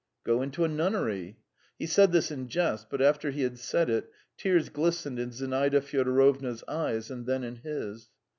"Go into a nunnery." He said this in jest, but after he had said it, tears glistened in Zinaida Fyodorovna's eyes and then in his.